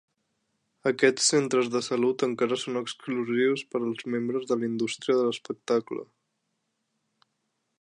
Aquests centres de salut encara són exclusius per als membres de la indústria de l'espectacle.